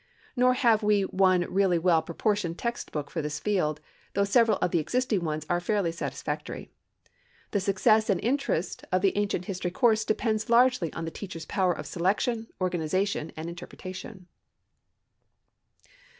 Nor have we one really well proportioned textbook for this field, though several of the existing ones are fairly satisfactory. The success and interest of the ancient history course depends largely on the teacher's power of selection, organization, and interpretation.